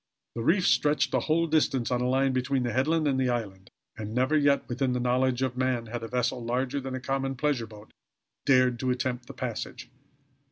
The reef stretched the whole distance, on a line between the headland and the island; and never yet within the knowledge of man had a vessel larger than a common pleasure boat dared to attempt the passage.